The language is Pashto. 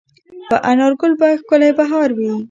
په انارګل به ښکلی بهار وي